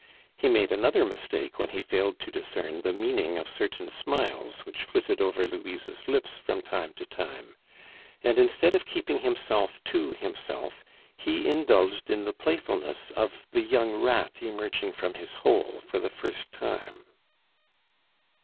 He made another mistake when he failed to discern the meaning of certain smiles which flitted over Louise's lips from time to time; and instead of keeping himself to himself, he indulged in the playfulness of the young rat emerging from his hole for the first time.